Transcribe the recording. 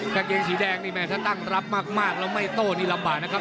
กางเกงสีแดงนี่แม่ถ้าตั้งรับมากแล้วไม่โต้นี่ลำบากนะครับ